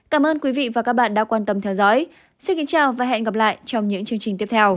cảm ơn các bạn đã theo dõi và hẹn gặp lại